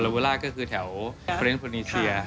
โบลาก็คือแถวเฟรนด์โพนิเซีย